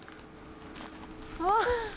あっ。